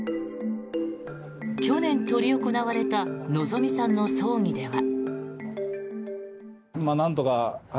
去年執り行われた希美さんの葬儀では。